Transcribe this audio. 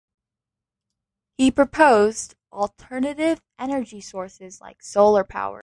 He proposed alternative energy sources, like solar power.